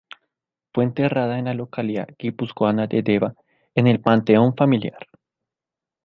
Fue enterrada en la localidad guipuzcoana de Deva en el panteón familiar.